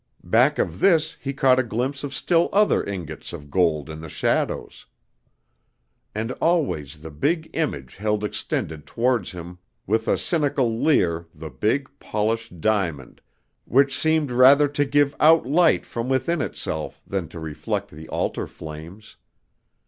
Back of this he caught a glimpse of still other ingots of gold in the shadows. And always the big image held extended towards him with a cynical leer the big, polished diamond which seemed rather to give out light from within itself than to reflect the altar flames.